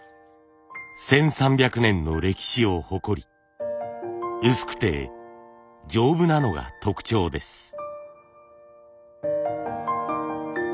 １，３００年の歴史を誇り薄くて丈夫なのが特徴です。